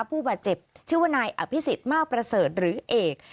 ผู้บาดเจ็บชื่อว่านายอภิษฎมากประเสริฐหรือเอก